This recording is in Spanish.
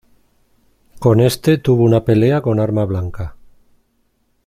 Con este tuvo una pelea con arma blanca.